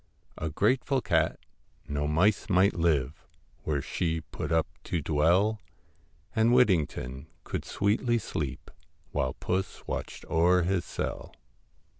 A grateful cat ! no mice might live Where she put up to dwell, And Whittington could sweetly sleep While puss watched o'er his cell.